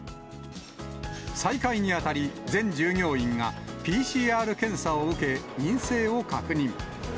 再開にあたり、全従業員がＰＣＲ検査を受け、陰性を確認。